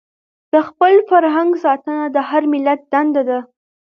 د خپل فرهنګ ساتنه د هر ملت دنده ده.